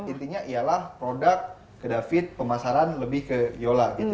intinya ialah produk ke david pemasaran lebih ke yola gitu